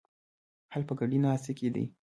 حل په ګډې ناستې کې دی.